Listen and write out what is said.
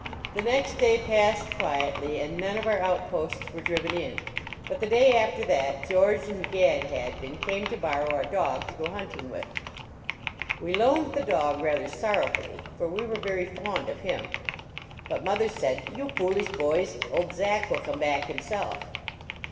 The next day passed quietly and none of our outposts were driven in, but the day after that George and Gad Hadbin came to borrow our dog to go hunting with. We loaned the dog rather sorrowfully, for we were very fond of him. But mother said, " You foolish boys, old Zack will come back himself."